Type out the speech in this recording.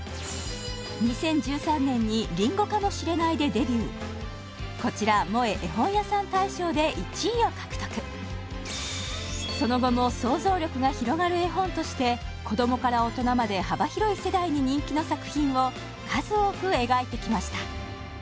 ２０１３年に「りんごかもしれない」でデビューこちらＭＯＥ絵本屋さん大賞で１位を獲得その後も想像力が広がる絵本として子供から大人まで幅広い世代に人気の作品を数多く描いてきました